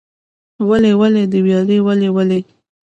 ولي ولې د ویالې ولې ولې؟